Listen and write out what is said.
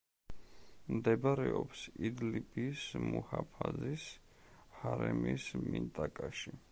მდებარეობს იდლიბის მუჰაფაზის ჰარემის მინტაკაში.